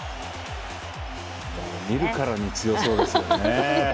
見るからに強そうですよね。